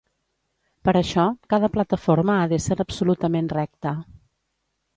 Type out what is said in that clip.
Per això, cada plataforma ha d'ésser absolutament recta.